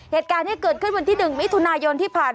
เหตุการณ์นี้เกิดขึ้นวันที่๑มิถุนายนที่ผ่าน